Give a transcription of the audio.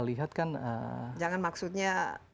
lihat kan jangan maksudnya